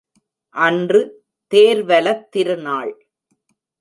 அன்று தேர்வலத் திருநாள்.